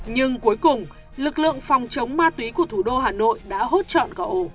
nhưng cuối cùng lực lượng phòng chống ma túy của thủ đô hà nội đã hốt chọn cả ổ